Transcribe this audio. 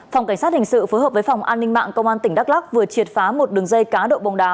phòng cảnh sát hình sự phối hợp với phòng an ninh mạng công an tỉnh đắk lắc vừa triệt phá một đường dây cá độ bóng đá